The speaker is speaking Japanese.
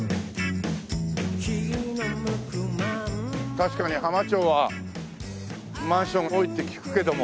確かに浜町はマンション多いって聞くけども。